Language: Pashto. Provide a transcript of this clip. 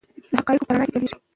د حقایقو په رڼا کې چلیږي.